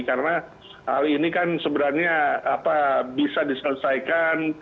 karena hal ini kan sebenarnya bisa diselesaikan